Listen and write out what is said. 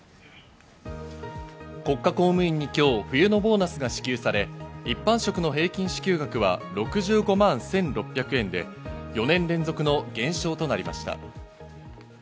国家公務員に今日、冬のボーナスが支給され、一般職の平均支給額は６５万１６００円で、４年連続の減少となりました。